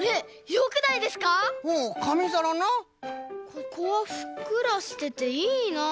ここはふっくらしてていいな。